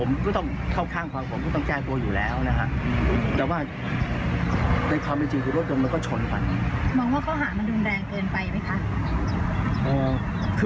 มองว่าเข้าหามันรุนแรงเกินไปไหมคะ